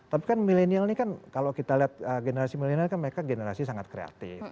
tapi kan milenial ini kan kalau kita lihat generasi milenial kan mereka generasi sangat kreatif